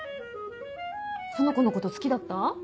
その子のこと好きだった？